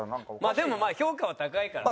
でもまあ評価は高いからね。